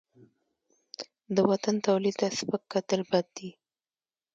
د وطن تولید ته سپک کتل بد دي.